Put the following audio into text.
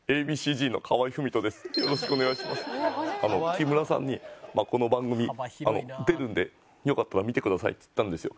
木村さんにこの番組出るんでよかったら見てくださいって言ったんですよ。